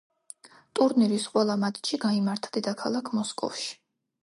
ტურნირის ყველა მატჩი გაიმართა დედაქალაქ მოსკოვში.